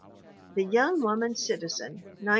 The Young Woman Citizen, 1918.